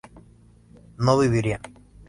no vivirían